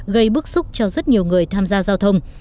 gây bức xúc cho rất nhiều người tham gia giao thông